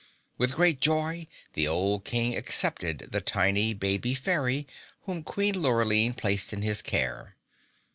With great joy the old King accepted the tiny, baby fairy whom Queen Lurline placed in his care.